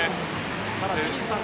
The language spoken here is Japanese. ただ清水さん